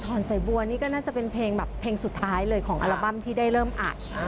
สายบัวนี่ก็น่าจะเป็นเพลงแบบเพลงสุดท้ายเลยของอัลบั้มที่ได้เริ่มอัด